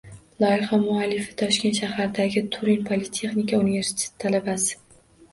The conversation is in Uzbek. Loyiha muallifi Toshkent shahridagi Turin Politexnika universiteti talabasi